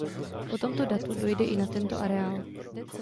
Po tomto datu dojde i na tento areál.